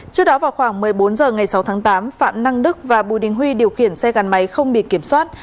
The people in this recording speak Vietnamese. trước đó vào khoảng một mươi bốn h ngày sáu tháng tám phạm năng đức và bùi đình huy điều khiển xe gắn máy không bị kiểm soát